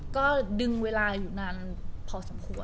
ก็ดึงเวลาอยู่นานพอสมควร